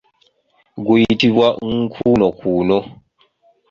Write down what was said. Guyitibwa nkuunokuuno.